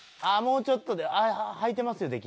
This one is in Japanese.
ああもうちょっとで「はいてますよ」